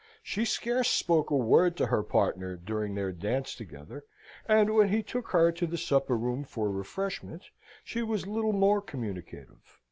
She scarce spoke a word to her partner during their dance together; and when he took her to the supper room for refreshment she was little more communicative.